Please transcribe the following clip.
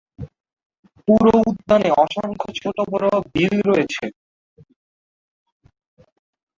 পুরো উদ্যানে অসংখ্য ছোট-বড় বিল রয়েছে।